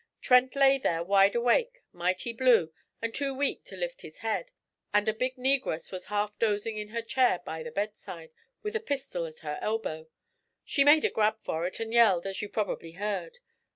Trent lay there wide awake, mighty blue, and too weak to lift his head; and a big negress was half dozing in her chair by the bedside, with a pistol at her elbow. She made a grab for it, and yelled, as you probably heard.